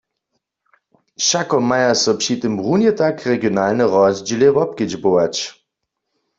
Wšako maja so při tym runje tak regionalne rozdźěle wobkedźbować.